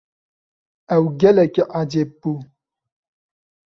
Ew gelekî ecêb bû.